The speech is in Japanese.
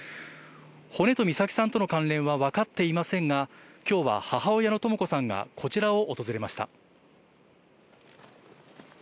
骨と美咲さんとの関連は分かっていませんが、きょうは母親のとも子さんが、こちらを訪れました。